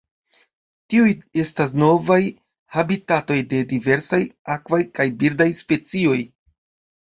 Tiuj estas novaj habitatoj de diversaj akvaj kaj birdaj specioj.